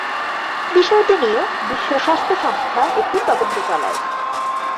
বিষয়টি নিয়ে বিশ্ব স্বাস্থ্য সংস্থা একটি তদন্ত চালায়।